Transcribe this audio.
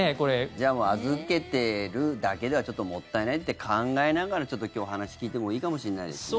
じゃあもう預けてるだけではちょっともったいないって考えながら今日、お話聞いてもいいかもしれないですね。